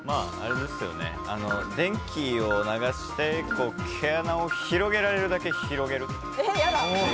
電気を流して、毛穴を広げられるだけ広げる。